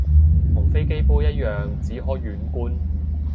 同飛機杯一樣只可遠觀